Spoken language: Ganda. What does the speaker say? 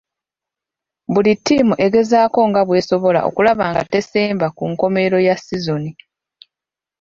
Buli ttiimu egezaako nga bwe kisoboka okulaba nga tesemba ku nkomerero ya ssizoni.